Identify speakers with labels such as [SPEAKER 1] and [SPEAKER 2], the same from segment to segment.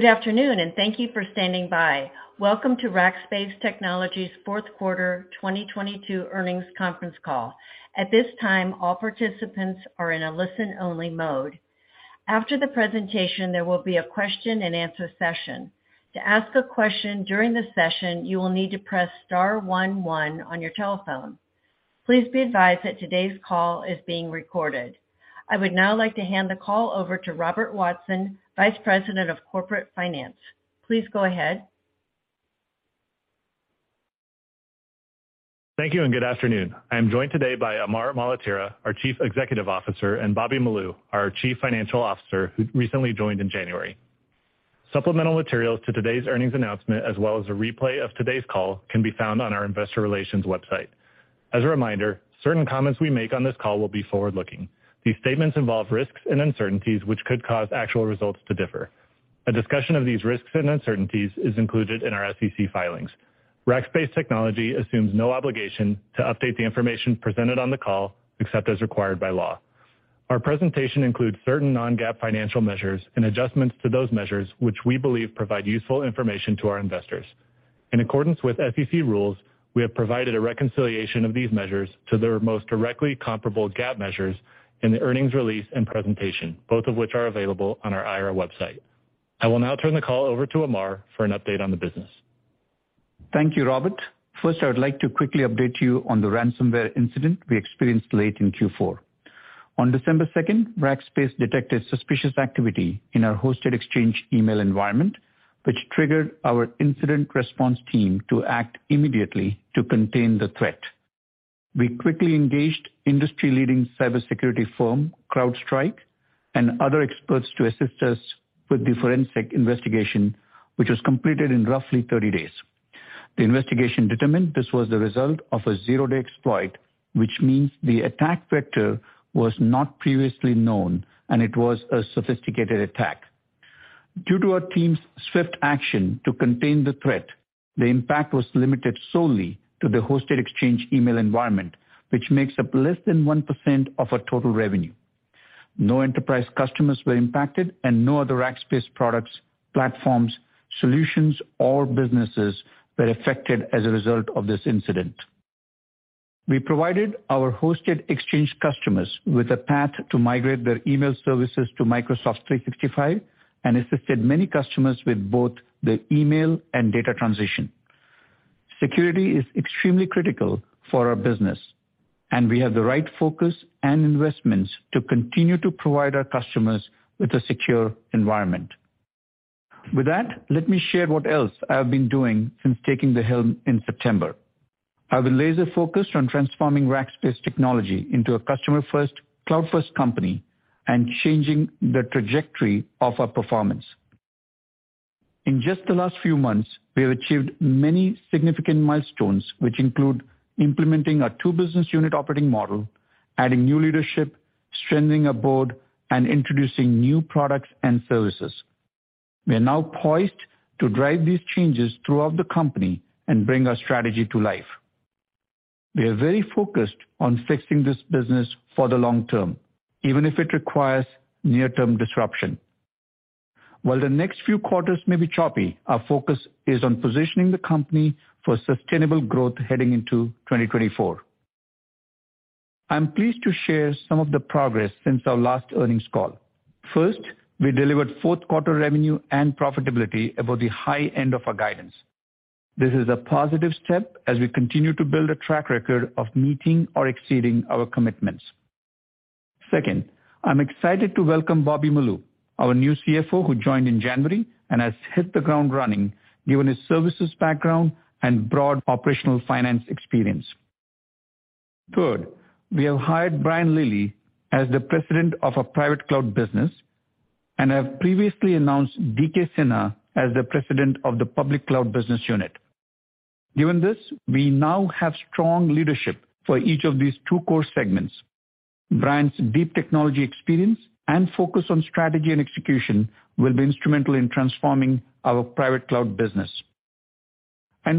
[SPEAKER 1] Good afternoon, and thank you for standing by. Welcome to Rackspace Technology's fourth quarter 2022 earnings conference call. At this time, all participants are in a listen-only mode. After the presentation, there will be a question-and-answer session. To ask a question during the session, you will need to press star 11 on your telephone. Please be advised that today's call is being recorded. I would now like to hand the call over to Robert Watson, Vice President of Corporate Finance. Please go ahead.
[SPEAKER 2] Thank you and good afternoon. I am joined today by Amar Maletira, our Chief Executive Officer, and Naushaza Molu, our Chief Financial Officer, who recently joined in January. Supplemental materials to today's earnings announcement, as well as a replay of today's call, can be found on our Investor Relations websiteAs a reminder, certain comments we make on this call will be forward-looking. These statements involve risks and uncertainties which could cause actual results to differ. A discussion of these risks and uncertainties is included in our SEC filings. Rackspace Technology assumes no obligation to update the information presented on the call except as required by law. Our presentation includes certain non-GAAP financial measures and adjustments to those measures, which we believe provide useful information to our investors. In accordance with SEC rules, we have provided a reconciliation of these measures to their most directly comparable GAAP measures in the earnings release and presentation, both of which are available on our I.R. website. I will now turn the call over to Amar for an update on the business.
[SPEAKER 3] Thank you, Robert. First, I would like to quickly update you on the ransomware incident we experienced late in Q4. On December 2, Rackspace detected suspicious activity in our Hosted Exchange email environment, which triggered our incident response team to act immediately to contain the threat. We quickly engaged industry-leading cybersecurity firm, CrowdStrike, and other experts to assist us with the forensic investigation, which was completed in roughly 30 days. The investigation determined this was the result of a zero-day exploit, which means the attack vector was not previously known, and it was a sophisticated attack. Due to our team's swift action to contain the threat, the impact was limited solely to the Hosted Exchange email environment, which makes up less than 1% of our total revenue. No enterprise customers were impacted and no other Rackspace products, platforms, solutions or businesses were affected as a result of this incident. We provided our Hosted Exchange customers with a path to migrate their email services to Microsoft 365 and assisted many customers with both the email and data transition. Security is extremely critical for our business. We have the right focus and investments to continue to provide our customers with a secure environment. With that, let me share what else I have been doing since taking the helm in September. I've been laser-focused on transforming Rackspace Technology into a customer-first, cloud-first company and changing the trajectory of our performance. In just the last few months, we have achieved many significant milestones, which include implementing our 2 business unit operating model, adding new leadership, strengthening our board, and introducing new products and services. We are now poised to drive these changes throughout the company and bring our strategy to life. We are very focused on fixing this business for the long term, even if it requires near-term disruption. While the next few quarters may be choppy, our focus is on positioning the company for sustainable growth heading into 2024. I am pleased to share some of the progress since our last earnings call. First, we delivered fourth quarter revenue and profitability above the high end of our guidance. This is a positive step as we continue to build a track record of meeting or exceeding our commitments. Second, I'm excited to welcome Bobby Molu, our new CFO, who joined in January and has hit the ground running given his services background and broad operational finance experience. Third, we have hired Brian Lillie as the President of our Private Cloud business and have previously announced D K Sinha as the President of the Public Cloud Business Unit. Given this, we now have strong leadership for each of these two core segments. Brian's deep technology experience and focus on strategy and execution will be instrumental in transforming our Private Cloud business.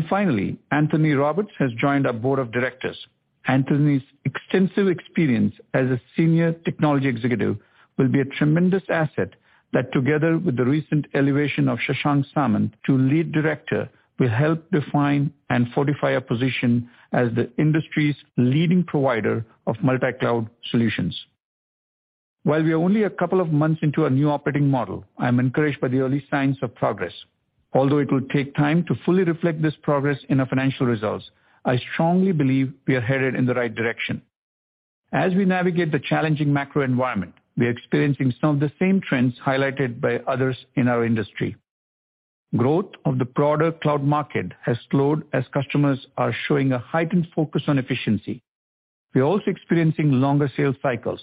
[SPEAKER 3] Finally, Anthony Roberts has joined our board of directors. Anthony's extensive experience as a senior technology executive will be a tremendous asset that, together with the recent elevation of Shashank Samant to lead director, will help define and fortify a position as the industry's leading provider of multi-cloud solutions. While we are only a couple of months into our new operating model, I am encouraged by the early signs of progress. Although it will take time to fully reflect this progress in our financial results, I strongly believe we are headed in the right direction. As we navigate the challenging macro environment, we are experiencing some of the same trends highlighted by others in our industry. Growth of the broader cloud market has slowed as customers are showing a heightened focus on efficiency. We are also experiencing longer sales cycles.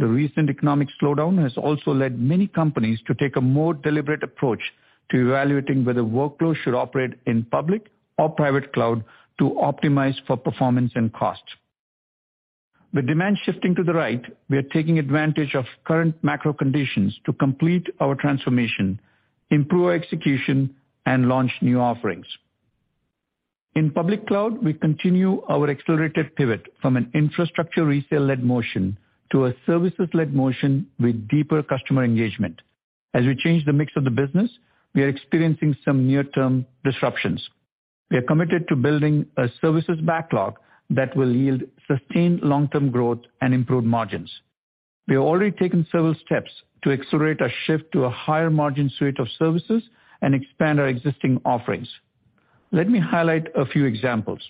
[SPEAKER 3] The recent economic slowdown has also led many companies to take a more deliberate approach to evaluating whether workloads should operate in public or private cloud to optimize for performance and cost. With demand shifting to the right, we are taking advantage of current macro conditions to complete our transformation, improve our execution, and launch new offerings. In public cloud, we continue our accelerated pivot from an infrastructure resale-led motion to a services-led motion with deeper customer engagement. As we change the mix of the business, we are experiencing some near-term disruptions. We are committed to building a services backlog that will yield sustained long-term growth and improved margins. We have already taken several steps to accelerate our shift to a higher margin suite of services and expand our existing offerings. Let me highlight a few examples.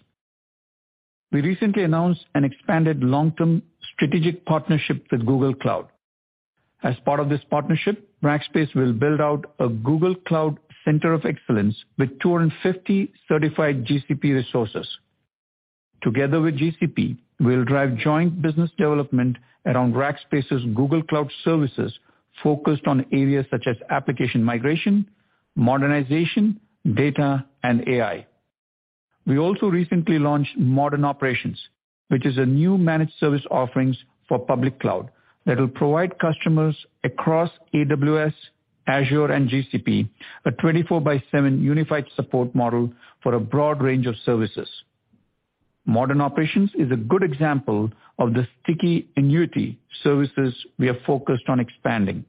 [SPEAKER 3] We recently announced an expanded long-term strategic partnership with Google Cloud. As part of this partnership, Rackspace will build out a Google Cloud center of excellence with 250 certified GCP resources. Together with GCP, we'll drive joint business development around Rackspace's Google Cloud services focused on areas such as application migration, modernization, data, and AI. We also recently launched Modern Operations, which is a new managed service offerings for public cloud that will provide customers across AWS, Azure and GCP, a 24 by 7 unified support model for a broad range of services. Modern Operations is a good example of the sticky annuity services we are focused on expanding.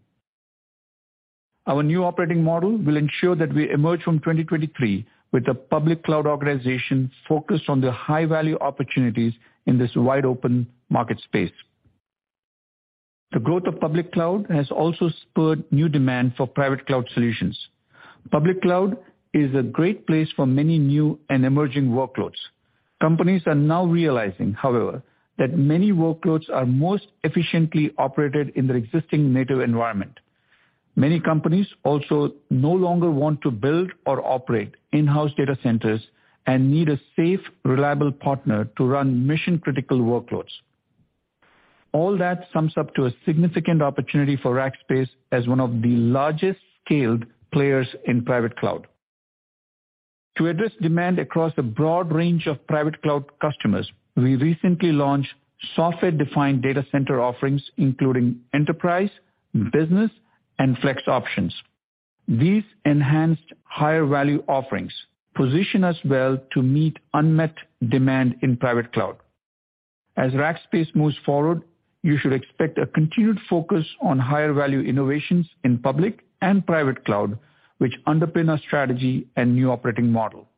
[SPEAKER 3] Our new operating model will ensure that we emerge from 2023 with a public cloud organization focused on the high-value opportunities in this wide-open market space. The growth of public cloud has also spurred new demand for private cloud solutions. Companies are now realizing, however, that many workloads are most efficiently operated in their existing native environment. Many companies also no longer want to build or operate in-house data centers and need a safe, reliable partner to run mission-critical workloads. All that sums up to a significant opportunity for Rackspace as one of the largest scaled players in private cloud. To address demand across a broad range of private cloud customers, we recently launched software-defined data center offerings, including enterprise, business, and flex options. These enhanced higher-value offerings position us well to meet unmet demand in private cloud. As Rackspace moves forward, you should expect a continued focus on higher value innovations in public and private cloud, which underpin our strategy and new operating model.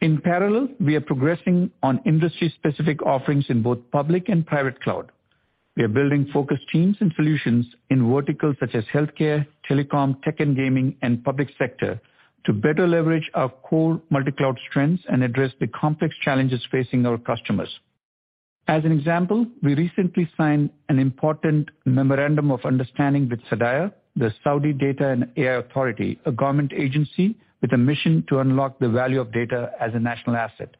[SPEAKER 3] In parallel, we are progressing on industry-specific offerings in both public and private cloud. We are building focused teams and solutions in verticals such as healthcare, telecom, tech and gaming, and public sector to better leverage our core multi-cloud strengths and address the complex challenges facing our customers. As an example, we recently signed an important memorandum of understanding with SDAIA, the Saudi Data and AI Authority, a government agency with a mission to unlock the value of data as a national asset.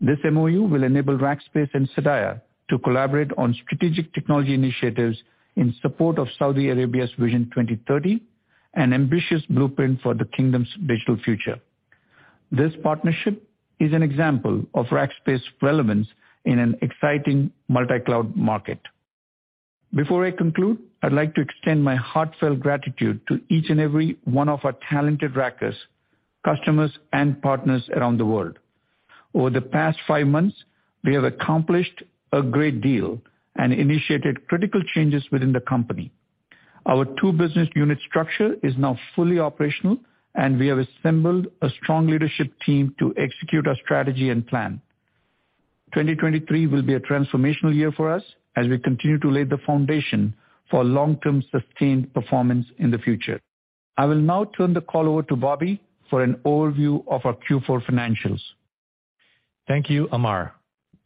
[SPEAKER 3] This MoU will enable Rackspace and SDAIA to collaborate on strategic technology initiatives in support of Saudi Arabia's Vision 2030, an ambitious blueprint for the kingdom's digital future. This partnership is an example of Rackspace's relevance in an exciting multicloud market. Before I conclude, I'd like to extend my heartfelt gratitude to each and every one of our talented Rackers, customers, and partners around the world. Over the past five months, we have accomplished a great deal and initiated critical changes within the company. Our two business unit structure is now fully operational, and we have assembled a strong leadership team to execute our strategy and plan. 2023 will be a transformational year for us as we continue to lay the foundation for long-term sustained performance in the future. I will now turn the call over to Bobby for an overview of our Q4 financials.
[SPEAKER 4] Thank you, Amar.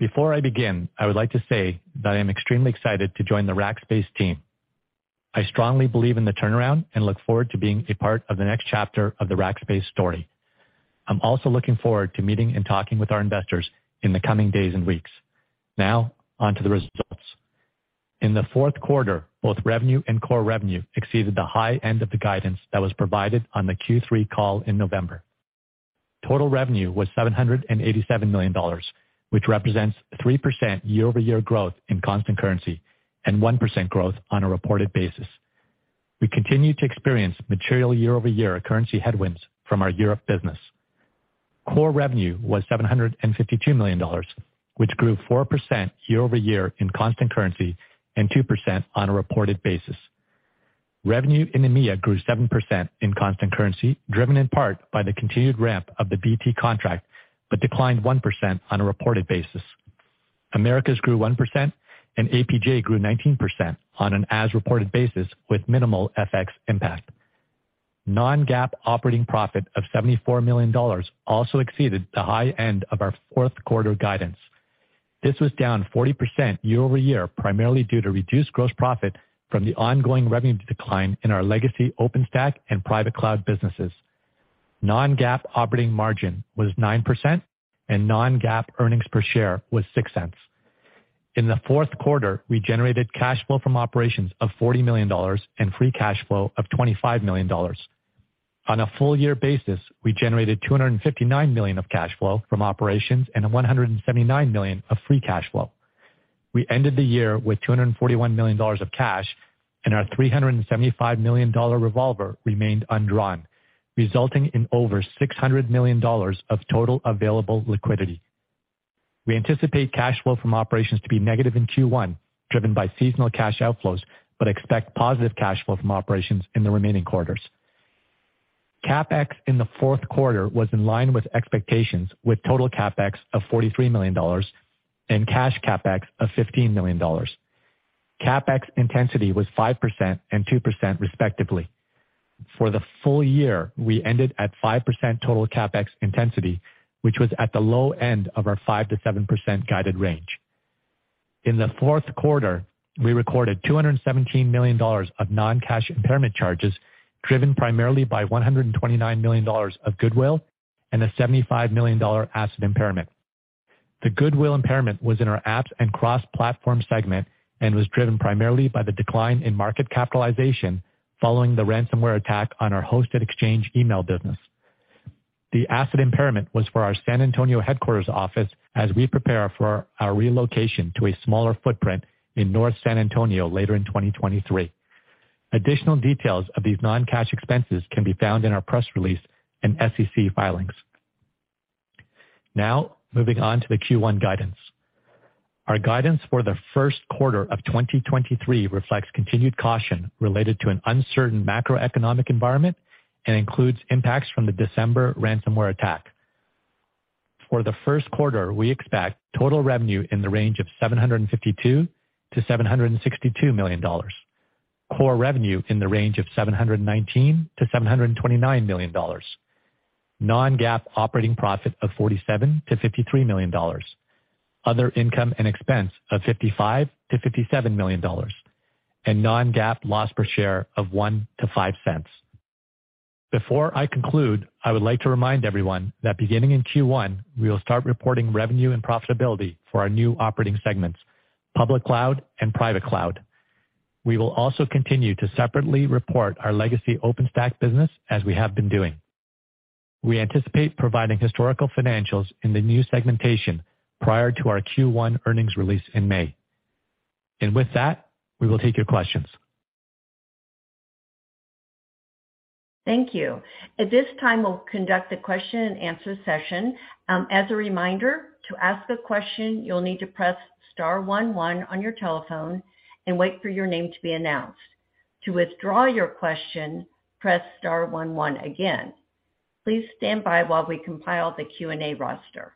[SPEAKER 4] Before I begin, I would like to say that I am extremely excited to join the Rackspace team. I strongly believe in the turnaround and look forward to being a part of the next chapter of the Rackspace story. I'm also looking forward to meeting and talking with our investors in the coming days and weeks. On to the results. In the fourth quarter, both revenue and core revenue exceeded the high end of the guidance that was provided on the Q3 call in November. Total revenue was $787 million, which represents 3% year-over-year growth in constant currency and 1% growth on a reported basis. We continue to experience material year-over-year currency headwinds from our Europe business. Core revenue was $752 million, which grew 4% year-over-year in constant currency and 2% on a reported basis. Revenue in EMEA grew 7% in constant currency, driven in part by the continued ramp of the BT contract, but declined 1% on a reported basis. Americas grew 1% and APJ grew 19% on an as-reported basis with minimal FX impact. Non-GAAP operating profit of $74 million also exceeded the high end of our fourth quarter guidance. This was down 40% year-over-year, primarily due to reduced gross profit from the ongoing revenue decline in our legacy OpenStack and private cloud businesses. Non-GAAP operating margin was 9% and non-GAAP earnings per share was $0.06. In the fourth quarter, we generated cash flow from operations of $40 million and free cash flow of $25 million. On a full year basis, we generated $259 million of cash flow from operations and $179 million of free cash flow. We ended the year with $241 million of cash and our $375 million revolver remained undrawn, resulting in over $600 million of total available liquidity. We anticipate cash flow from operations to be negative in Q1, driven by seasonal cash outflows, expect positive cash flow from operations in the remaining quarters. CapEx in the fourth quarter was in line with expectations with total CapEx of $43 million and cash CapEx of $15 million. CapEx intensity was 5% and 2% respectively. For the full year, we ended at 5% total CapEx intensity, which was at the low end of our 5%-7% guided range. In the fourth quarter, we recorded $217 million of non-cash impairment charges, driven primarily by $129 million of goodwill and a $75 million asset impairment. The goodwill impairment was in our Apps and Cross Platform segment and was driven primarily by the decline in market capitalization following the ransomware attack on our Hosted Exchange email business. The asset impairment was for our San Antonio headquarters office as we prepare for our relocation to a smaller footprint in North San Antonio later in 2023. Additional details of these non-cash expenses can be found in our press release and SEC filings. Moving on to the Q1 guidance. Our guidance for the first quarter of 2023 reflects continued caution related to an uncertain macroeconomic environment and includes impacts from the December ransomware attack. For the first quarter, we expect total revenue in the range of $752 million-$762 million. Core revenue in the range of $719 million-$729 million. Non-GAAP operating profit of $47 million-$53 million. Other income and expense of $55 million-$57 million. Non-GAAP loss per share of $0.01-$0.05. Before I conclude, I would like to remind everyone that beginning in Q1 we will start reporting revenue and profitability for our new operating segments, Public Cloud and Private Cloud. We will also continue to separately report our legacy OpenStack business as we have been doing. We anticipate providing historical financials in the new segmentation prior to our Q1 earnings release in May. With that, we will take your questions.
[SPEAKER 1] Thank you. At this time we'll conduct a question and answer session. As a reminder, to ask a question, you'll need to press star one one on your telephone and wait for your name to be announced. To withdraw your question, press star one one again. Please stand by while we compile the Q&A roster.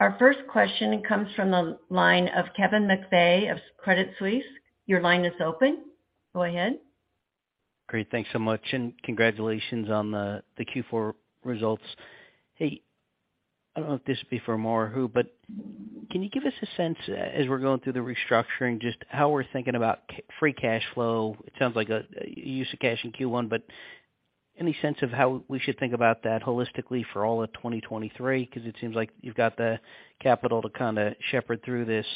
[SPEAKER 1] Our first question comes from the line of Kevin McVeigh of Credit Suisse. Your line is open. Go ahead.
[SPEAKER 5] Great. Thanks so much. Congratulations on the Q4 results. Hey, I don't know if this would be for Amar or who. Can you give us a sense, as we're going through the restructuring, just how we're thinking about free cash flow? It sounds like you used the cash in Q1. Any sense of how we should think about that holistically for all of 2023? 'Cause it seems like you've got the capital to kinda shepherd through this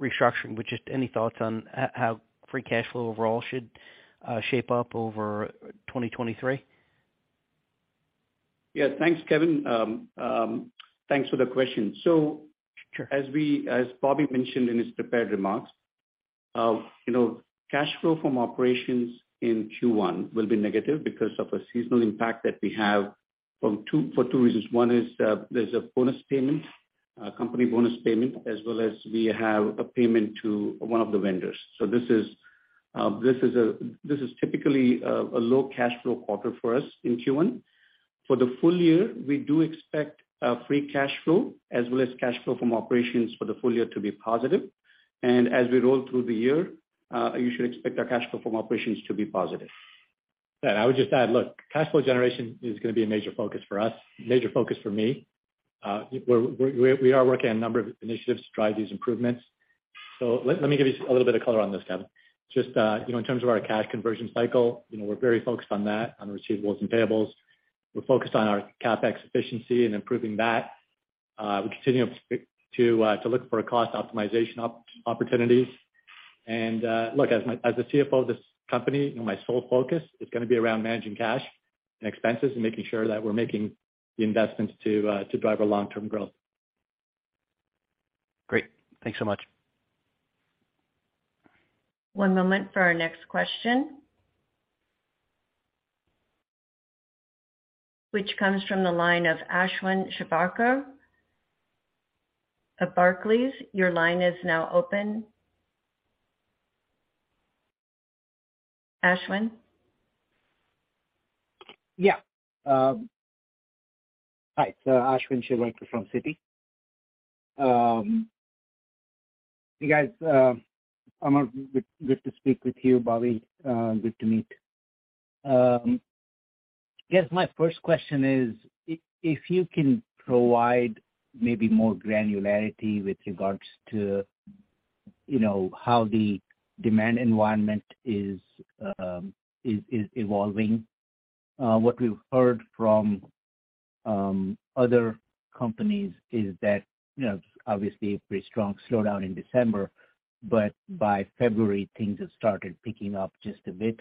[SPEAKER 5] restructuring. Just any thoughts on how free cash flow overall should shape up over 2023?
[SPEAKER 3] Thanks, Kevin. Thanks for the question. As Bobby mentioned in his prepared remarks, you know, cash flow from operations in Q1 will be negative because of a seasonal impact that we have for 2 reasons. 1 is, there's a bonus payment, a company bonus payment, as well as we have a payment to 1 of the vendors. This is typically a low cash flow quarter for us in Q1. For the full year, we do expect free cash flow as well as cash flow from operations for the full year to be positive. As we roll through the year, you should expect our cash flow from operations to be positive.
[SPEAKER 4] I would just add, look, cash flow generation is gonna be a major focus for us, major focus for me. We are working on a number of initiatives to drive these improvements. Let me give you a little bit of color on this, Kevin. Just, you know, in terms of our cash conversion cycle, you know, we're very focused on that, on receivables and payables. We're focused on our CapEx efficiency and improving that. We continue to look for our cost optimization opportunities. Look, as the CFO of this company, you know, my sole focus is gonna be around managing cash and expenses and making sure that we're making the investments to drive our long-term growth.
[SPEAKER 5] Great. Thanks so much.
[SPEAKER 1] One moment for our next question, which comes from the line of Ashwin Shirvaikar of Barclays. Your line is now open. Ashwin?
[SPEAKER 6] Hi. It's Ashwin Shirvaikar from Citi. You guys, Amar, good to speak with you. Bobby, good to meet. I guess my first question is if you can provide maybe more granularity with regards to, you know, how the demand environment is evolving. What we've heard from other companies is that, you know, obviously a pretty strong slowdown in December, but by February things have started picking up just a bit.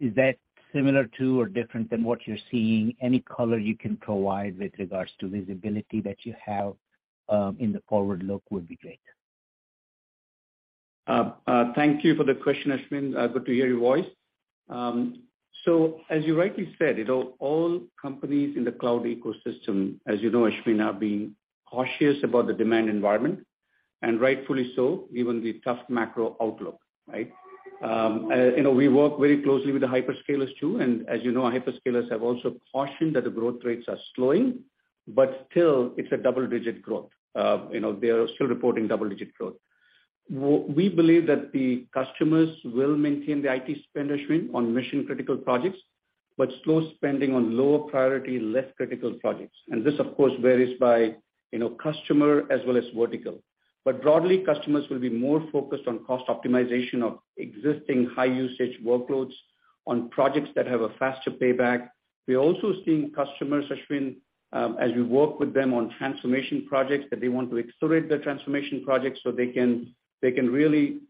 [SPEAKER 6] Is that similar to or different than what you're seeing? Any color you can provide with regards to visibility that you have in the forward look would be great.
[SPEAKER 3] Thank you for the question, Ashwin. Good to hear your voice. As you rightly said, you know, all companies in the cloud ecosystem, as you know, Ashwin, are being cautious about the demand environment, and rightfully so, given the tough macro outlook, right? You know, we work very closely with the hyperscalers too, and as you know, our hyperscalers have also cautioned that the growth rates are slowing, but still it's a double-digit growth. You know, they are still reporting double-digit growth. We believe that the customers will maintain the IT spend, Ashwin, on mission-critical projects, but slow spending on lower priority, less critical projects. This, of course, varies by, you know, customer as well as vertical. Broadly, customers will be more focused on cost optimization of existing high-usage workloads on projects that have a faster payback. We are also seeing customers, Ashwin, as we work with them on transformation projects, that they want to accelerate their transformation projects so they can really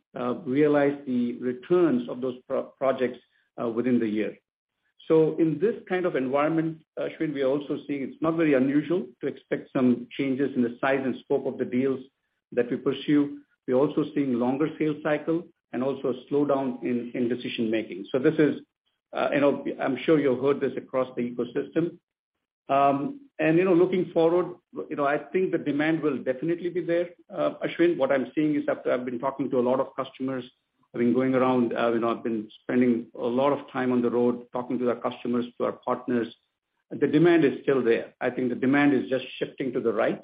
[SPEAKER 3] realize the returns of those projects within the year. In this kind of environment, Ashwin, we are also seeing it's not very unusual to expect some changes in the size and scope of the deals that we pursue. We're also seeing longer sales cycle and also a slowdown in decision-making. This is, you know, I'm sure you heard this across the ecosystem. Looking forward, you know, I think the demand will definitely be there, Ashwin. What I'm seeing is after I've been talking to a lot of customers, I've been going around, you know, I've been spending a lot of time on the road talking to our customers, to our partners, the demand is still there. I think the demand is just shifting to the right,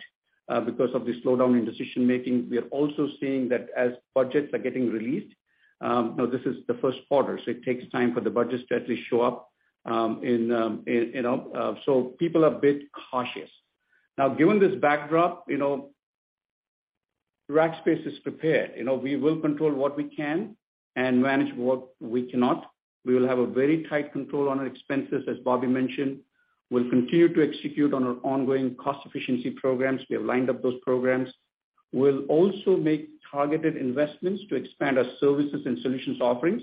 [SPEAKER 3] because of the slowdown in decision-making. We are also seeing that as budgets are getting released, you know, this is the first quarter, so it takes time for the budgets to actually show up, in, you know, so people are a bit cautious. Given this backdrop, you know, Rackspace is prepared. You know, we will control what we can and manage what we cannot. We will have a very tight control on our expenses, as Bobby mentioned. We'll continue to execute on our ongoing cost efficiency programs. We have lined up those programs. We'll also make targeted investments to expand our services and solutions offerings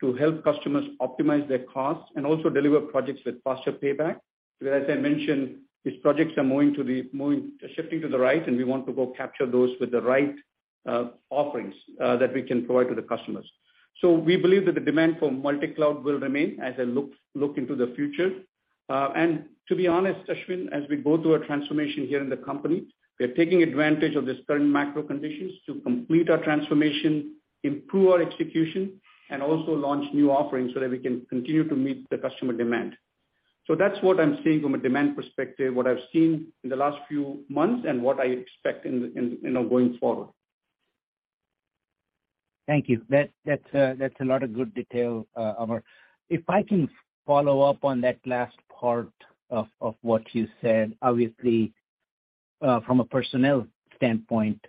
[SPEAKER 3] to help customers optimize their costs and also deliver projects with faster payback. As I mentioned, these projects are shifting to the right, and we want to go capture those with the right offerings that we can provide to the customers. We believe that the demand for multi-cloud will remain as I look into the future. To be honest, Ashwin, as we go through our transformation here in the company, we are taking advantage of this current macro conditions to complete our transformation, improve our execution, and also launch new offerings so that we can continue to meet the customer demand. That's what I'm seeing from a demand perspective, what I've seen in the last few months and what I expect in, you know, going forward.
[SPEAKER 6] Thank you. That's a lot of good detail, Amar. If I can follow up on that last part of what you said. Obviously, from a personnel standpoint,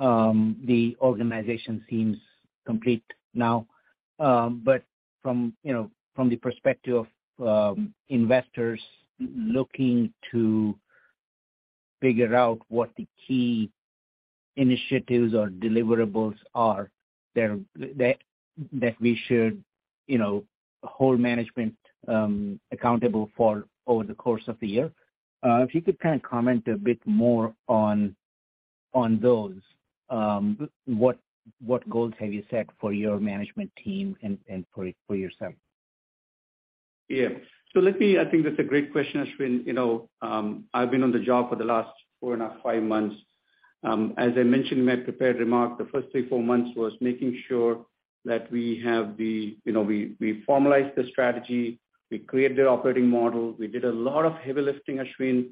[SPEAKER 6] the organization seems complete now. From, you know, from the perspective of investors looking to figure out what the key initiatives or deliverables are there that we should, you know, hold management accountable for over the course of the year, if you could kind of comment a bit more on those. What goals have you set for your management team and for yourself?
[SPEAKER 3] Yeah. I think that's a great question, Ashwin. You know, I've been on the job for the last four and a half, five months. As I mentioned in my prepared remarks, the first three, four months was making sure that we have the, you know, we formalize the strategy, we create the operating model. We did a lot of heavy lifting, Ashwin,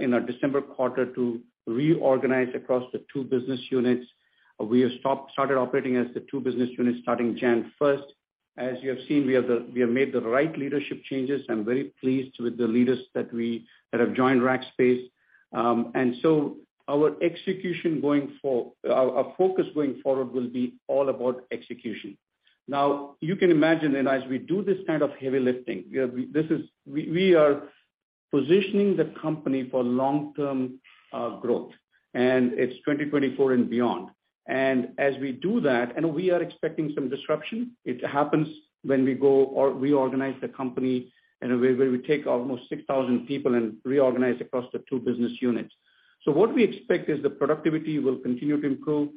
[SPEAKER 3] in our December quarter to reorganize across the two business units. We started operating as the two business units starting January 1st. As you have seen, we have made the right leadership changes. I'm very pleased with the leaders that have joined Rackspace. Our execution going forward, our focus going forward will be all about execution. You can imagine that as we do this kind of heavy lifting, we are positioning the company for long-term growth, and it's 2024 and beyond. As we do that, and we are expecting some disruption, it happens when we go or reorganize the company in a way where we take almost 6,000 people and reorganize across the two business units. What we expect is the productivity will continue to improve.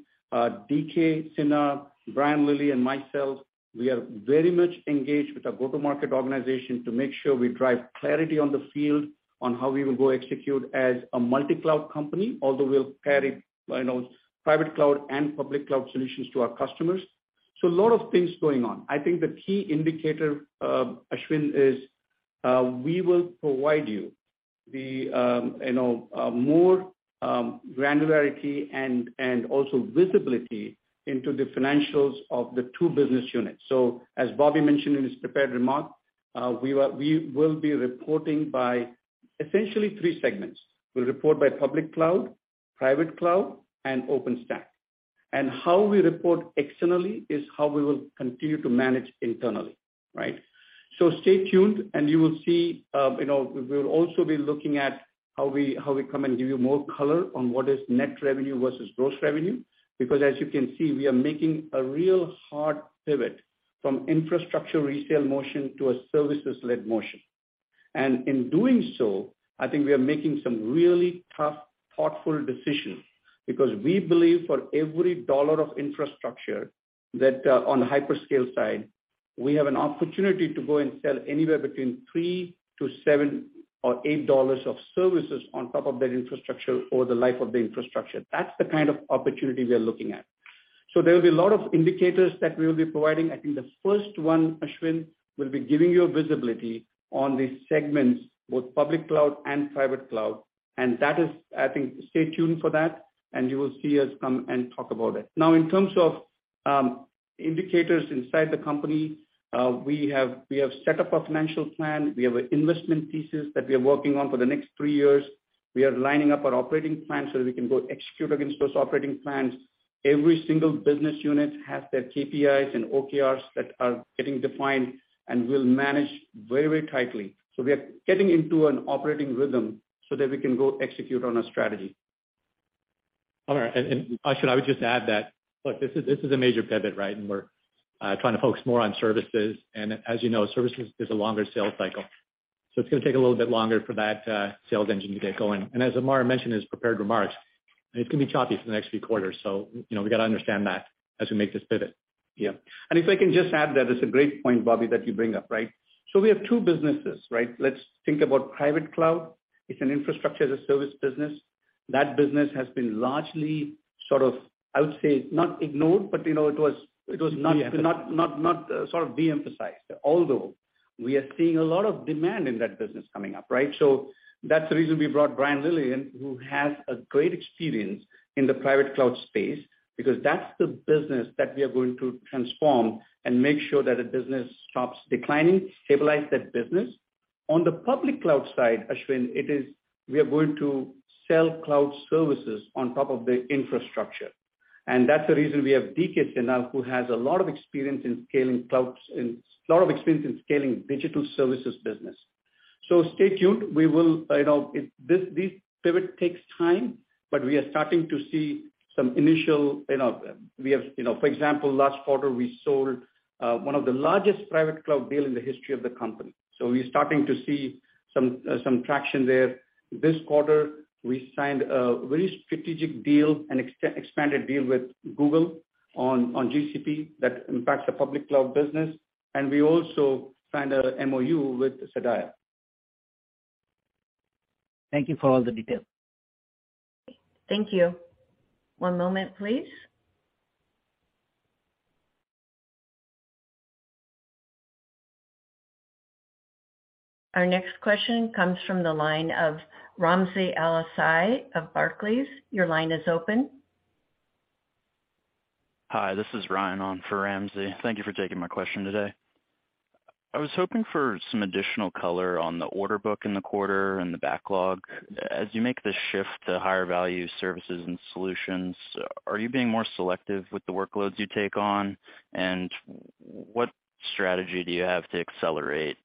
[SPEAKER 3] D K Sinha, Brian Lillie, and myself, we are very much engaged with our go-to-market organization to make sure we drive clarity on the field on how we will go execute as a multi-cloud company, although we'll carry, you know, private cloud and public cloud solutions to our customers. A lot of things going on. I think the key indicator, Ashwin, is, we will provide you the, you know, more granularity and also visibility into the financials of the two business units. As Bobby mentioned in his prepared remarks, we will be reporting by essentially three segments. We'll report by Public Cloud, Private Cloud, and OpenStack. How we report externally is how we will continue to manage internally, right. Stay tuned and you will see, you know, we will also be looking at how we come and give you more color on what is net revenue versus gross revenue. As you can see, we are making a real hard pivot from infrastructure resale motion to a services-led motion. In doing so, I think we are making some really tough, thoughtful decisions because we believe for every $ of infrastructure that on the hyperscale side, we have an opportunity to go and sell anywhere between $3-$7 or $8 of services on top of that infrastructure over the life of the infrastructure. That's the kind of opportunity we are looking at. There will be a lot of indicators that we will be providing. I think the first one, Ashwin, will be giving you a visibility on the segments, both public cloud and private cloud. That is, I think, stay tuned for that and you will see us come and talk about it. In terms of indicators inside the company, we have set up a financial plan. We have investment pieces that we are working on for the next three years. We are lining up our operating plan so we can go execute against those operating plans. Every single business unit has their KPIs and OKRs that are getting defined and we'll manage very, very tightly. We are getting into an operating rhythm so that we can go execute on our strategy.
[SPEAKER 4] All right. Ashwin, I would just add that, look, this is a major pivot, right? We're trying to focus more on services. As you know, services is a longer sales cycle. It's gonna take a little bit longer for that sales engine to get going. As Amar mentioned in his prepared remarks, it can be choppy for the next few quarters. You know, we gotta understand that as we make this pivot.
[SPEAKER 3] Yeah. If I can just add that it's a great point, Bobby, that you bring up, right? We have two businesses, right? Let's think about private cloud. It's an infrastructure-as-a-service business. That business has been largely sort of, I would say, not ignored, but you know, it was not sort of de-emphasized. Although we are seeing a lot of demand in that business coming up, right? That's the reason we brought Brian Lillie in, who has a great experience in the Private Cloud space, because that's the business that we are going to transform and make sure that the business stops declining, stabilize that business. On the Public Cloud side, Ashwin, we are going to sell cloud services on top of the infrastructure. That's the reason we have D.K. Sinha now, who has a lot of experience in scaling clouds and a lot of experience in scaling digital services business. Stay tuned. You know, this pivot takes time, but we are starting to see some initial, you know, we have. For example, last quarter, we sold one of the largest private cloud deal in the history of the company. We're starting to see some traction there. This quarter, we signed a very strategic deal, an expanded deal with Google on GCP that impacts the public cloud business. We also signed a MoU with SDAIA.
[SPEAKER 6] Thank you for all the detail.
[SPEAKER 1] Thank you. One moment, please. Our next question comes from the line of Ramsey El-Assal of Barclays. Your line is open.
[SPEAKER 7] Hi, this is Ryan on for Ramsey. Thank you for taking my question today. I was hoping for some additional color on the order book in the quarter and the backlog. As you make the shift to higher value services and solutions, are you being more selective with the workloads you take on? What strategy do you have to accelerate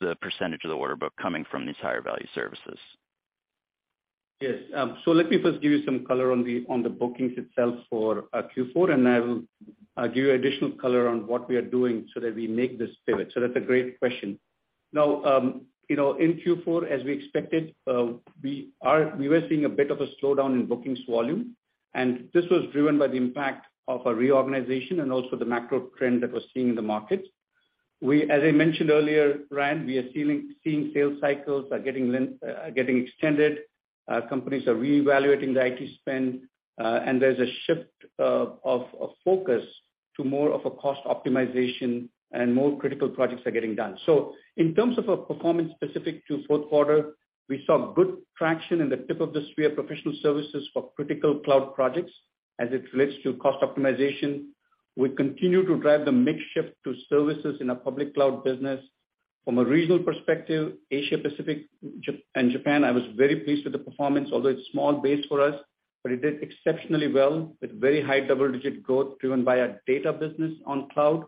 [SPEAKER 7] the % of the order book coming from these higher value services?
[SPEAKER 3] Yes. Let me first give you some color on the, on the bookings itself for Q4, and I will give you additional color on what we are doing so that we make this pivot. That's a great question. You know, in Q4, as we expected, we were seeing a bit of a slowdown in bookings volume. This was driven by the impact of a reorganization and also the macro trend that was seen in the market. As I mentioned earlier, Ryan, we are seeing sales cycles are getting extended, companies are reevaluating the IT spend, and there's a shift of focus to more of a cost optimization and more critical projects are getting done. In terms of a performance specific to fourth quarter, we saw good traction in the tip of the spear professional services for critical cloud projects as it relates to cost optimization. We continue to drive the mix shift to services in our public cloud business. From a regional perspective, Asia Pacific and Japan, I was very pleased with the performance, although it's small base for us, but it did exceptionally well with very high double-digit growth driven by our data business on cloud.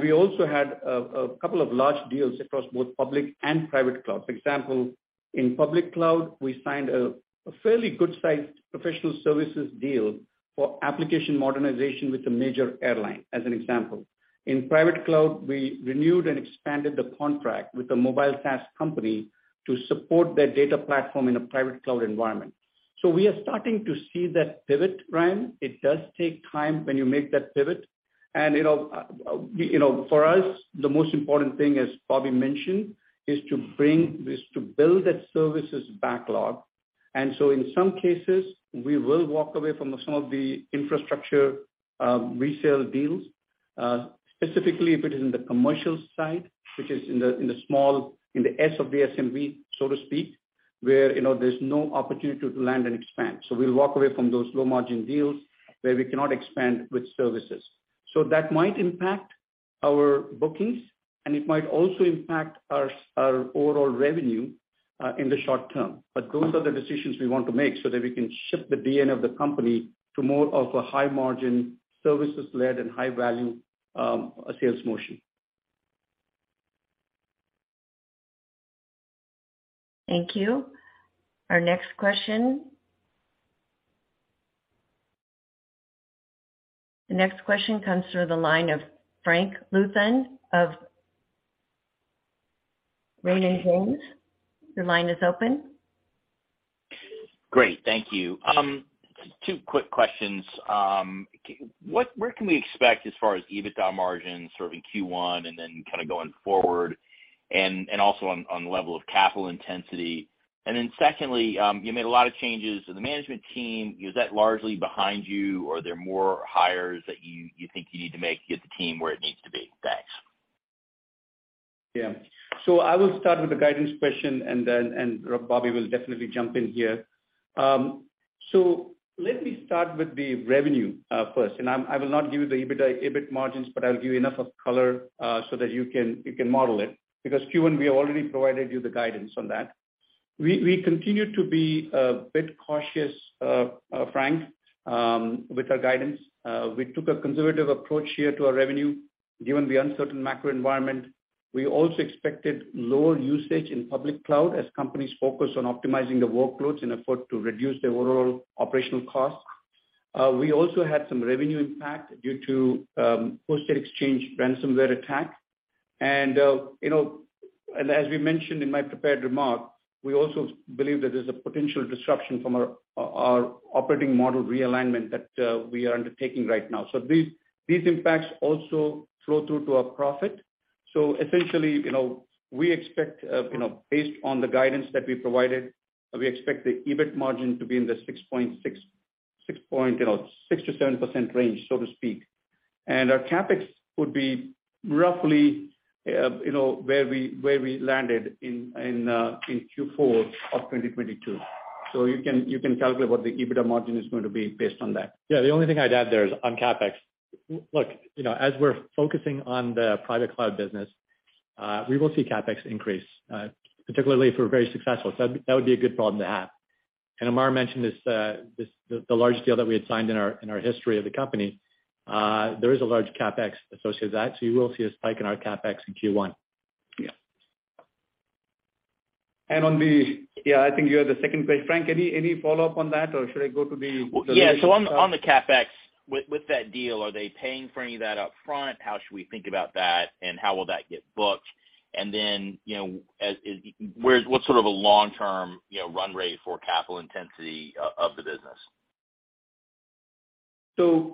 [SPEAKER 3] We also had a couple of large deals across both public and private cloud. For example, in public cloud, we signed a fairly good-sized professional services deal for application modernization with a major airline, as an example. In private cloud, we renewed and expanded the contract with a mobile SaaS company to support their data platform in a private cloud environment. We are starting to see that pivot, Ryan. It does take time when you make that pivot. You know, you know, for us, the most important thing, as Bobby mentioned, is to build that services backlog. In some cases, we will walk away from some of the infrastructure resale deals specifically if it is in the commercial side, which is in the, in the small, in the S of the SMB, so to speak, where, you know, there's no opportunity to land and expand. We'll walk away from those low-margin deals where we cannot expand with services. That might impact our bookings, and it might also impact our overall revenue in the short term. those are the decisions we want to make so that we can ship the DN of the company to more of a high margin services-led and high value, sales motion.
[SPEAKER 1] Thank you. The next question comes through the line of Frank Louthan of Raymond James. Your line is open.
[SPEAKER 8] Great. Thank you. Two quick questions. Where can we expect as far as EBITDA margins sort of in Q1 and then kind of going forward, and also on the level of capital intensity? Secondly, you made a lot of changes to the management team. Is that largely behind you or are there more hires that you think you need to make to get the team where it needs to be? Thanks.
[SPEAKER 3] Yeah. I will start with the guidance question and Bobby will definitely jump in here. Let me start with the revenue first, and I will not give you the EBITDA, EBIT margins, but I'll give you enough of color so that you can, you can model it, because Q1 we already provided you the guidance on that. We continue to be a bit cautious, Frank, with our guidance. We took a conservative approach here to our revenue given the uncertain macro environment. We also expected lower usage in public cloud as companies focus on optimizing the workloads in effort to reduce their overall operational costs. We also had some revenue impact due to Hosted Exchange ransomware attack. You know, as we mentioned in my prepared remarks, we also believe that there's a potential disruption from our operating model realignment that we are undertaking right now. These impacts also flow through to our profit. Essentially, you know, we expect, you know, based on the guidance that we provided, we expect the EBIT margin to be in the 6% to 7% range, so to speak. Our CapEx would be roughly, you know, where we landed in Q4 of 2022. You can calculate what the EBITDA margin is going to be based on that.
[SPEAKER 4] Yeah. The only thing I'd add there is on CapEx. Look, you know, as we're focusing on the private cloud business, we will see CapEx increase, particularly if we're very successful. That would be a good problem to have. Amar mentioned this, the large deal that we had signed in our history of the company, there is a large CapEx associated with that, you will see a spike in our CapEx in Q1.
[SPEAKER 3] Yeah. Yeah, I think you had the second question. Frank, any follow-up on that, or should I go to the?
[SPEAKER 8] On the CapEx with that deal, are they paying for any of that up front? How should we think about that, and how will that get booked? Then, you know, as where's what's sort of a long-term, you know, run rate for capital intensity of the business?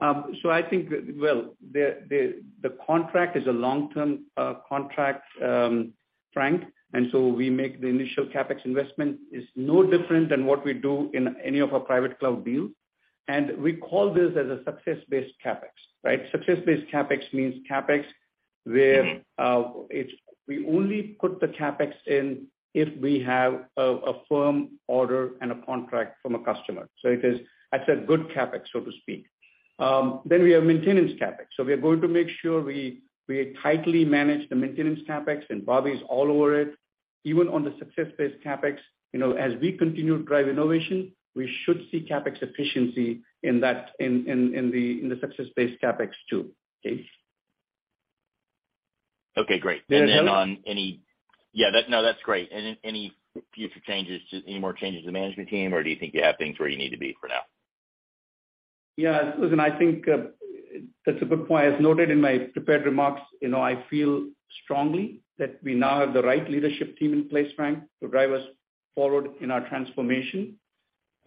[SPEAKER 3] I think, well, the contract is a long-term contract, Frank. We make the initial CapEx investment. It's no different than what we do in any of our private cloud deals. We call this as a success-based CapEx, right? Success-based CapEx means CapEx where we only put the CapEx in if we have a firm order and a contract from a customer. It is, I said, good CapEx, so to speak. We have maintenance CapEx. We are going to make sure we tightly manage the maintenance CapEx, and Bobby is all over it. Even on the success-based CapEx, you know, as we continue to drive innovation, we should see CapEx efficiency in that, in the success-based CapEx too. Okay.
[SPEAKER 8] Okay, great.
[SPEAKER 3] Anything else?
[SPEAKER 8] On any... Yeah, no, that's great. Any more changes to the management team, or do you think you have things where you need to be for now?
[SPEAKER 3] Yeah. Listen, I think that's a good point. As noted in my prepared remarks, you know, I feel strongly that we now have the right leadership team in place, Frank, to drive us forward in our transformation.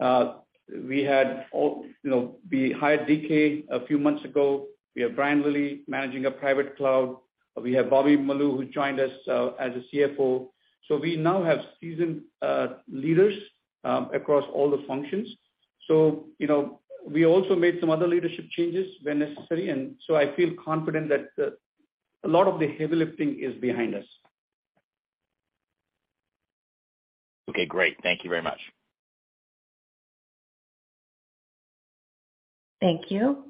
[SPEAKER 3] We had all, you know, we hired DK a few months ago. We have Brian Lillie managing our private cloud. We have Naushad Finser, who joined us as a CFO. We now have seasoned leaders across all the functions. You know, we also made some other leadership changes where necessary. I feel confident that a lot of the heavy lifting is behind us.
[SPEAKER 8] Okay, great. Thank you very much.
[SPEAKER 1] Thank you.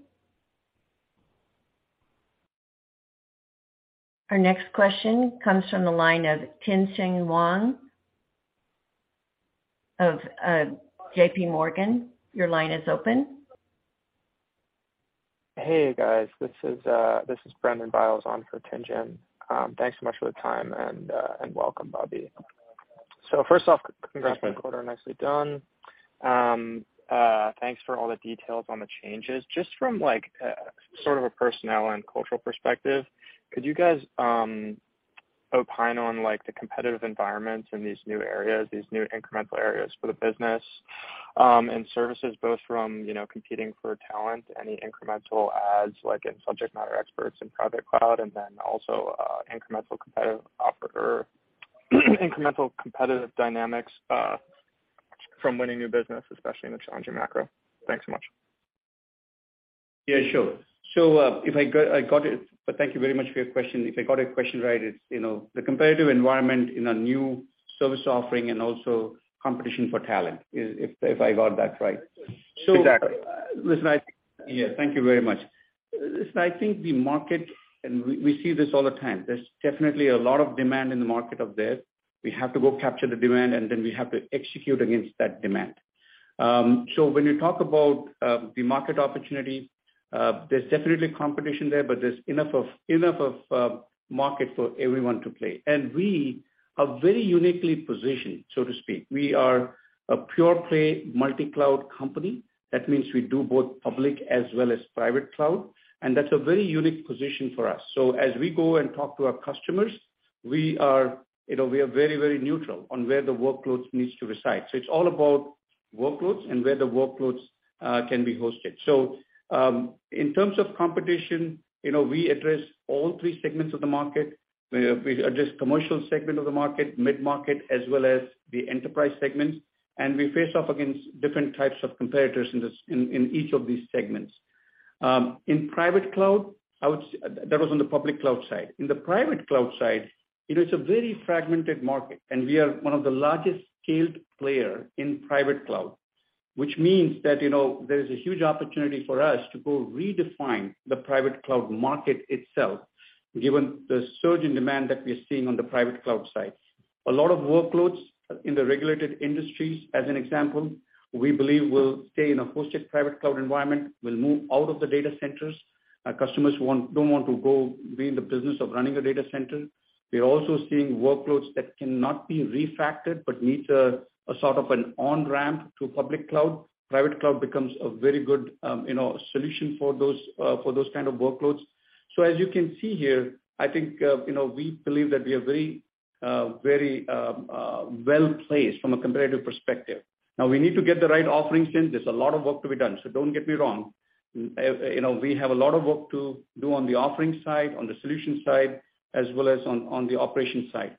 [SPEAKER 1] Our next question comes from the line of Tien-Tsin Huang of JPMorgan. Your line is open.
[SPEAKER 9] Hey, guys. This is Brendan Biles on for Tien-Tsin. Thanks so much for the time and welcome, Bobby. First off, congrats on the quarter. Nicely done. Thanks for all the details on the changes. Just from like, sort of a personnel and cultural perspective, could you guys opine on like the competitive environments in these new areas, these new incremental areas for the business, and services both from, you know, competing for talent, any incremental adds, like in subject matter experts in Private Cloud, and then also, incremental competitive dynamics, from winning new business, especially in the challenging macro? Thanks so much.
[SPEAKER 3] Yeah, sure. I got it. Thank you very much for your question. If I got your question right, it's, you know, the competitive environment in our new service offering and also competition for talent if I got that right. Listen, yeah, thank you very much. Listen, I think the market, and we see this all the time, there's definitely a lot of demand in the market out there. We have to go capture the demand, and then we have to execute against that demand. When you talk about the market opportunity, there's definitely competition there, but there's enough of market for everyone to play. We are very uniquely positioned, so to speak. We are a pure-play multi-cloud company. That means we do both public as well as private cloud. That's a very unique position for us. As we go and talk to our customers, we are, you know, we are very, very neutral on where the workloads needs to reside. It's all about workloads and where the workloads can be hosted. In terms of competition, you know, we address all three segments of the market. We address commercial segment of the market, mid-market, as well as the enterprise segments. We face off against different types of competitors in each of these segments. In private cloud, that was on the public cloud side. In the private cloud side, it is a very fragmented market. We are one of the largest scaled player in private cloud. Which means that, you know, there is a huge opportunity for us to go redefine the private cloud market itself, given the surge in demand that we're seeing on the private cloud side. A lot of workloads in the regulated industries, as an example, we believe will stay in a hosted private cloud environment, will move out of the data centers. Our customers don't want to go be in the business of running a data center. We're also seeing workloads that cannot be refactored but need a sort of an on-ramp to public cloud. Private cloud becomes a very good, you know, solution for those for those kind of workloads. As you can see here, I think, you know, we believe that we are very well-placed from a competitive perspective. Now, we need to get the right offerings in. There's a lot of work to be done, so don't get me wrong. You know, we have a lot of work to do on the offerings side, on the solutions side, as well as on the operations side.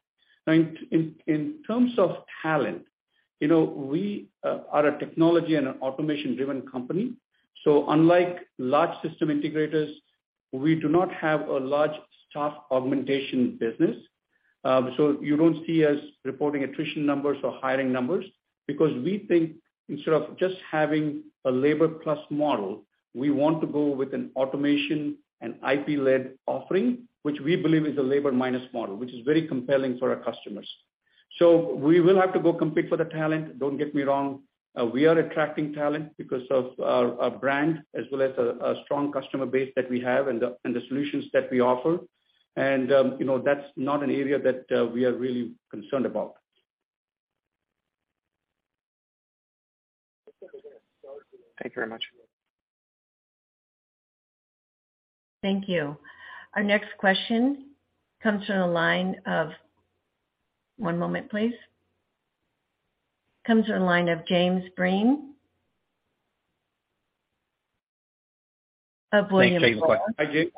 [SPEAKER 3] Now, in terms of talent, you know, we are a technology and an automation-driven company, so unlike large system integrators, we do not have a large staff augmentation business. You don't see us reporting attrition numbers or hiring numbers because we think instead of just having a labor plus model, we want to go with an automation and IP-led offering, which we believe is a labor minus model, which is very compelling for our customers. We will have to go compete for the talent. Don't get me wrong. We are attracting talent because of our brand as well as a strong customer base that we have and the solutions that we offer. You know, that's not an area that we are really concerned about.
[SPEAKER 9] Thank you very much.
[SPEAKER 1] Thank you. Our next question comes from the line of... One moment, please. Comes from the line of Jim Breen of William Blair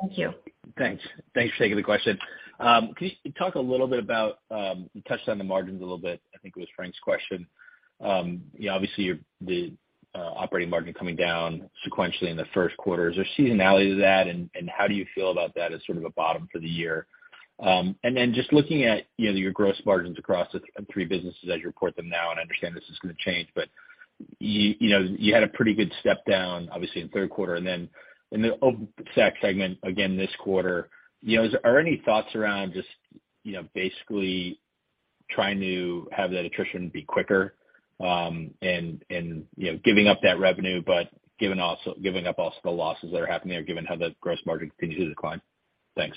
[SPEAKER 1] & Company.
[SPEAKER 10] Thanks. Thanks for taking the question. Can you talk a little bit about, you touched on the margins a little bit, I think it was Frank's question. You know, obviously the operating margin coming down sequentially in the first quarter. Is there seasonality to that, and how do you feel about that as sort of a bottom for the year? Just looking at, you know, your gross margins across the three businesses as you report them now, and I understand this is gonna change, but you know, you had a pretty good step down obviously in the third quarter, and then in the OpenStack segment again this quarter. You know, is there any thoughts around just, you know, basically trying to have that attrition be quicker, and, you know, giving up that revenue, but giving up also the losses that are happening there, given how the gross margin continues to decline? Thanks.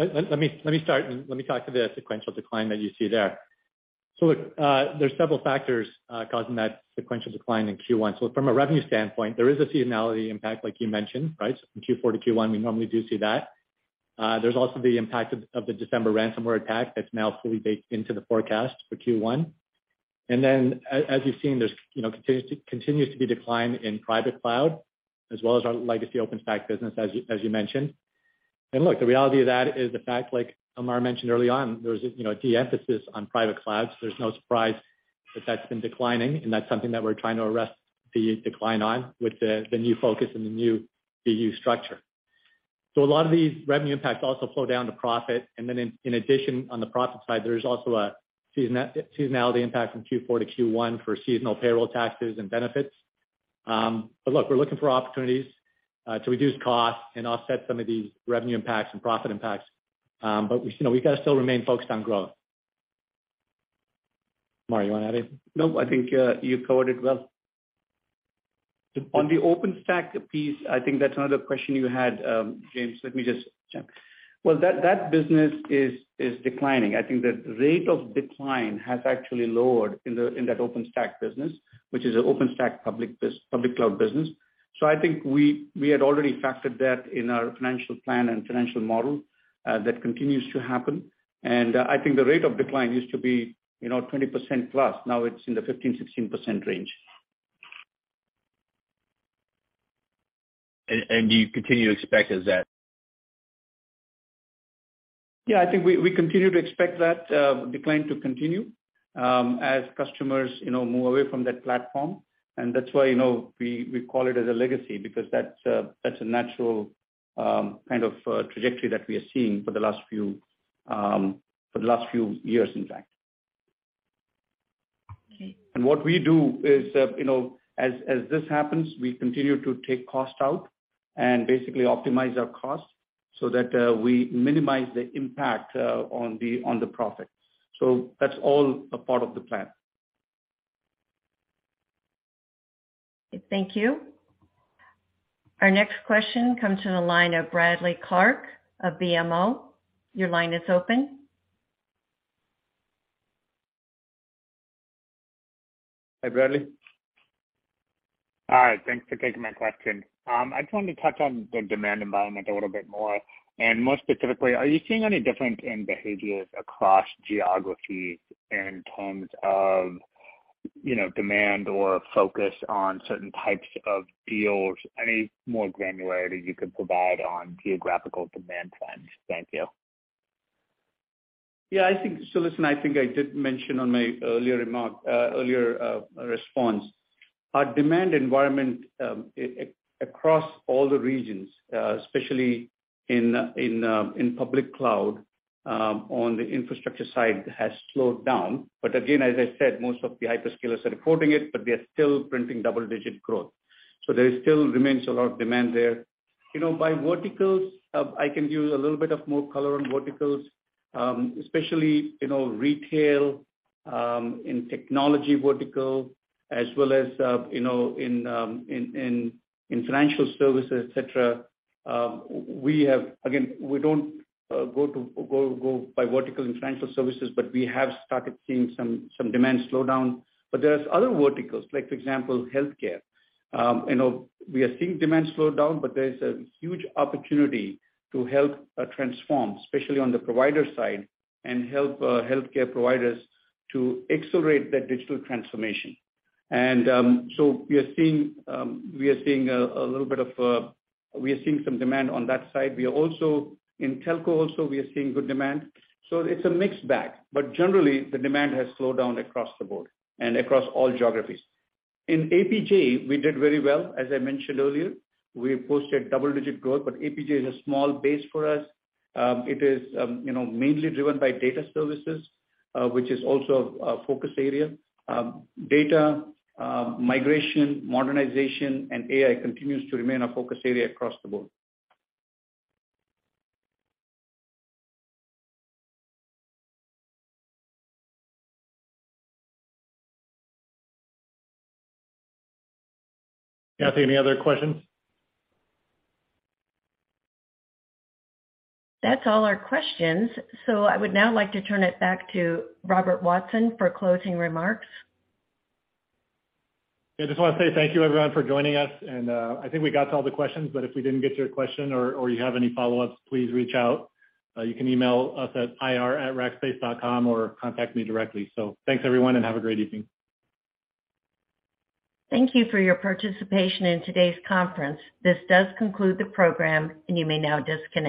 [SPEAKER 3] Let me start and let me talk to the sequential decline that you see there. Look, there's several factors causing that sequential decline in Q1. From a revenue standpoint, there is a seasonality impact, like you mentioned, right? From Q4 to Q1, we normally do see that. There's also the impact of the December ransomware attack that's now fully baked into the forecast for Q1. As you've seen, there's, you know, continues to be decline in private cloud as well as our legacy OpenStack business as you mentioned. Look, the reality of that is the fact, like Amar mentioned early on, there's, you know, a de-emphasis on private cloud, there's no surprise that that's been declining and that's something that we're trying to arrest the decline on with the new focus and the new BU structure. A lot of these revenue impacts also flow down to profit. Then in addition, on the profit side, there's also a seasonality impact from Q4 to Q1 for seasonal payroll taxes and benefits. Look, we're looking for opportunities to reduce costs and offset some of these revenue impacts and profit impacts. You know, we've gotta still remain focused on growth. Amar, you wanna add anything? Nope. I think you covered it well. On the OpenStack piece, I think that's another question you had, James. Let me just jump. Well, that business is declining. I think the rate of decline has actually lowered in that OpenStack business, which is an OpenStack public cloud business. I think we had already factored that in our financial plan and financial model. That continues to happen. I think the rate of decline used to be, you know, 20% plus. Now it's in the 15%-16% range.
[SPEAKER 10] You continue to expect as that?
[SPEAKER 3] Yeah. I think we continue to expect that decline to continue as customers, you know, move away from that platform. That's why, you know, we call it as a legacy because that's a, that's a natural kind of trajectory that we are seeing for the last few years, in fact.
[SPEAKER 1] Okay.
[SPEAKER 3] What we do is, you know, as this happens, we continue to take cost out and basically optimize our costs so that we minimize the impact on the profits. That's all a part of the plan.
[SPEAKER 1] Thank you. Our next question comes from the line of Keith P. Clark of BMO. Your line is open.
[SPEAKER 3] Hi, Keith.
[SPEAKER 11] Hi. Thanks for taking my question. I just wanted to touch on the demand environment a little bit more, and more specifically, are you seeing any difference in behaviors across geographies in terms of, you know, demand or focus on certain types of deals? Any more granularity you could provide on geographical demand trends? Thank you.
[SPEAKER 3] Listen, I think I did mention on my earlier remark, earlier response. Our demand environment, across all the regions, especially in public cloud, on the infrastructure side has slowed down. Again, as I said, most of the hyperscalers are reporting it, but they are still printing double-digit growth. There still remains a lot of demand there. You know, by verticals, I can give a little bit of more color on verticals, especially, you know, retail, in technology vertical, as well as, you know, in financial services, et cetera. Again, we don't go by vertical in financial services, but we have started seeing some demand slowdown. There's other verticals, like for example, healthcare. you know, we are seeing demand slowdown, but there is a huge opportunity to help transform, especially on the provider side, and help healthcare providers to accelerate their digital transformation. We are seeing some demand on that side. We are also in telco, we are seeing good demand. It's a mixed bag, but generally the demand has slowed down across the board and across all geographies. In APJ we did very well. As I mentioned earlier, we posted double-digit growth, but APJ is a small base for us. It is, you know, mainly driven by data services, which is also a focus area. Data migration, modernization and AI continues to remain a focus area across the board.
[SPEAKER 2] Kathy, any other questions?
[SPEAKER 1] That's all our questions. I would now like to turn it back to Robert Watson for closing remarks.
[SPEAKER 2] Yeah, I just wanna say thank you everyone for joining us and, I think we got to all the questions, but if we didn't get to your question or you have any follow-ups, please reach out. You can email us at ir@rackspace.com or contact me directly. Thanks everyone and have a great evening.
[SPEAKER 1] Thank you for your participation in today's conference. This does conclude the program and you may now disconnect.